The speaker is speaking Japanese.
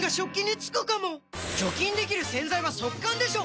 除菌できる洗剤は速乾でしょ！